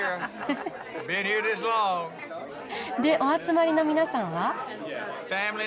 でお集まりの皆さんは？